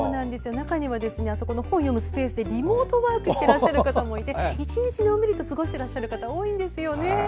中にはあそこの本を読むスペースでリモートワークしていらっしゃる方もいて１日のんびり過ごしている方多いんですよね。